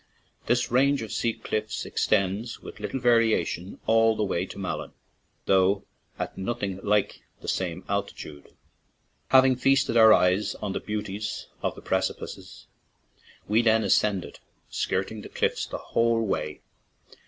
This range of sea cliff ex tends with little variation all the way to Malin, though at nothing like the same altitude. Having feasted our eyes on the beauties of the precipices, we then ascended, skirt 50 CARRICK TO DONEGAL ing the cliffs the whole way.